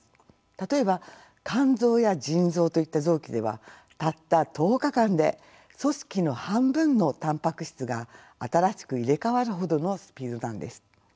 例えば肝臓や腎臓といった臓器ではたった１０日間で組織の半分のたんぱく質が新しく入れ替わるほどのスピードなんです。